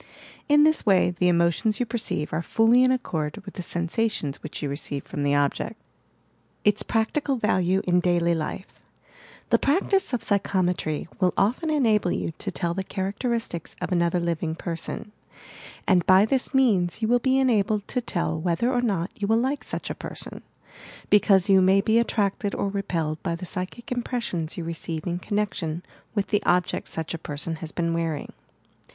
In this way the emotions you perceive are fully in accord with the sensations which yon receive from the object, ITS PRACTICAL VALUE IN D ULT LIFE The practice of psychometry will often enable you to tell the characteristics of another living person, and by this means you will be enabled to tell whether or not you will like such a person, — because you may be attracted or repelled by the psychic impressions you re ceive in connection with the object such a person has been wearing.